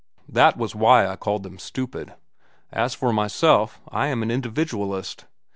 That was why I called them stupid. As for myself, I am an individualist.